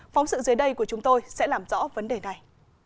phóng sự dưới đây của chúng tôi sẽ làm rõ vấn đề này